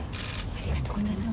ありがとうございます。